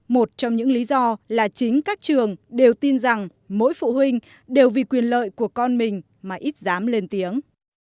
một trong những lý do là chính các trường đều tin rằng mỗi phụ huynh đều vì quyền lợi của con mình mà ít dám lên tiếng